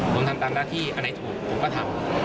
ผมทำตามหน้าที่อันไหนถูกผมก็ทำ